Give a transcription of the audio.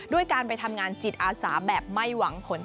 ด้วยการไปทำงานจิตอาสาแบบไม่หวังผล